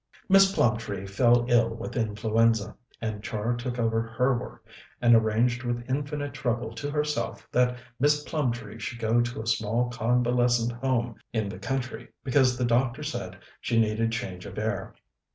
Miss Plumtree fell ill with influenza, and Char took over her work, and arranged with infinite trouble to herself that Miss Plumtree should go to a small convalescent home in the country, because the doctor said she needed change of air.